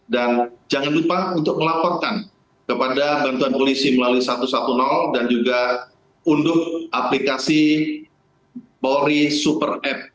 dan jangan lupa untuk melaporkan kepada bantuan polisi melalui satu ratus sepuluh dan juga untuk aplikasi polri super app